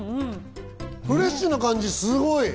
フレッシュな感じがすごい！